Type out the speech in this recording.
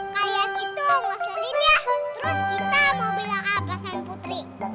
kalian itu mau selin ya terus kita mau bilang apa sama putri